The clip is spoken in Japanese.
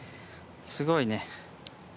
すごいね。